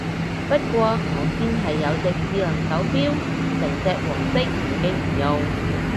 不過我堅係有隻智能手錶，成隻黃色已經唔用